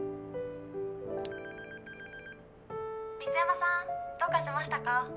美津山さんどうかしましたか？